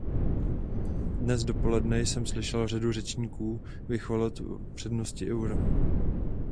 Dnes dopoledne jsem slyšel řadu řečníků vychvalovat přednosti eura.